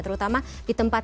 terutama di tempat ini